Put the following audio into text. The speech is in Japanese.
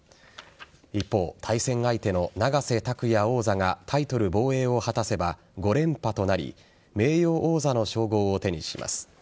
一方、対戦相手の永瀬拓也王座がタイトル防衛を果たせば５連覇となり名誉王座の称号を手にします。